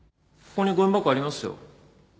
ここにごみ箱ありますよ